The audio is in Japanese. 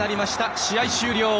試合終了。